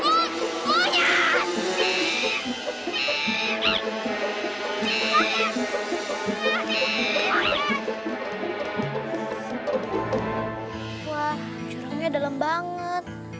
wah jurangnya dalem banget